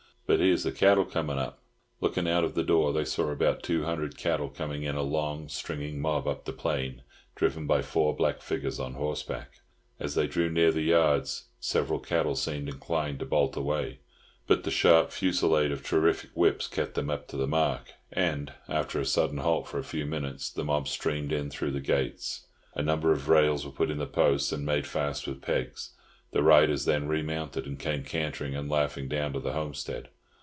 But here's the cattle comin' up." Looking out of the door, they saw about two hundred cattle coming in a long, stringing mob up the plain, driven by four black figures on horse back. As they drew near the yards, several cattle seemed inclined to bolt away; but the sharp fusillade of terrific whips kept them up to the mark, and, after a sudden halt for a few minutes, the mob streamed in through the gates. A number of rails were put in the posts, and made fast with pegs. The riders then remounted, and came cantering and laughing down to the homestead.